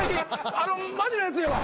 あのマジなやつやわ。